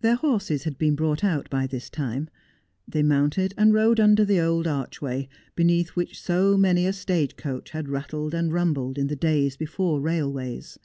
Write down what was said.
Their horses had been brought out by this time. They mounted and rode under the old archway, beneath which so many a stage coach had rattled and rumbled in the days before railways.